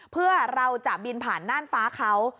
เพื่อเราจะบินผ่านน่านฟ้าเขา